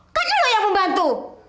kan lo yang membantu